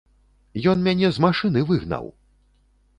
Ён мяне з машыны выгнаў!